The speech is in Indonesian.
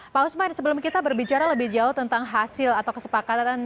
pak usman sebelum kita berbicara lebih jauh tentang hasil atau kesepakatan